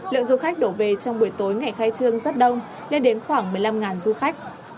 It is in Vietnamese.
lượng du khách đổ về trong buổi tối ngày khai trương rất đông lên đến khoảng một mươi năm du khách